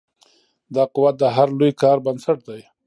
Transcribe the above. دا قوت د هر لوی کار بنسټ دی.